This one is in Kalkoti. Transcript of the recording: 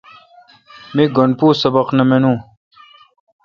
می گن پو سبق نہ مانون۔